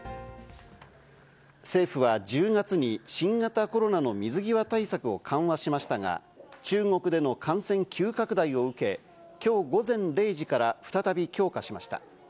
政府は１０月に、新型コロナの水際対策を緩和しましたが、中国での感染急拡大を受け、きょう午前０時から、再び強化しました。